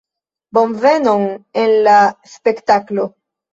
Bonvenon en la spektaklo!